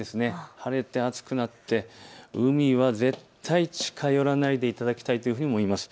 晴れて暑くなって、海は絶対に近づかないでいただきたいと思います。